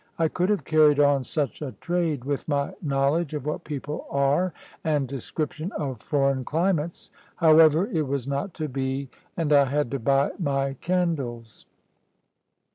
I could have carried on such a trade, with my knowledge of what people are, and description of foreign climates however, it was not to be, and I had to buy my candles.